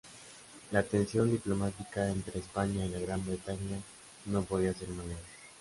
La tensión diplomática entre España y la Gran Bretaña no podía ser mayor.